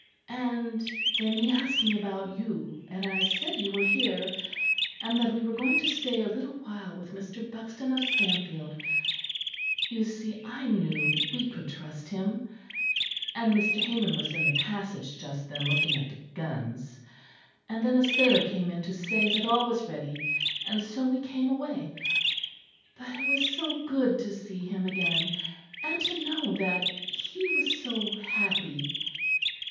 "And then he asked me about you; and I said you were here; and that we were going to stay a little while with Mr. Buxton of Stanfield you see I knew we could trust him; and Mr. Hamon was in the passage just then looking at the guns; and then a sailor came in to say that all was ready; and so we came away. But it was so good to see him again; and to know that he was so happy."